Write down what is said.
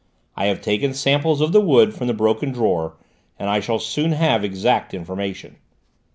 I have taken samples of the wood from the broken drawer, and I shall soon have exact information."